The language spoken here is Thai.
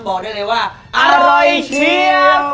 บอกได้เลยว่าอร่อยเชียบ